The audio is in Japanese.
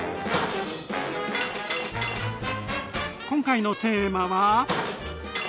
今回のテーマは。